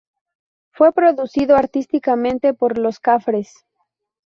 Fue producido artísticamente por Los Cafres.